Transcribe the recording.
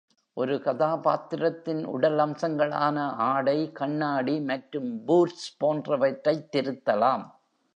ஒரு கதாபாத்திரத்தின் உடல் அம்சங்களான ஆடை, கண்ணாடி மற்றும் பூட்ஸ் போன்றவற்றைத் திருத்தலாம்.